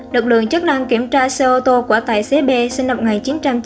được lượng chức năng kiểm tra xe ô tô của tài xế b sinh lập ngày chín trăm chín mươi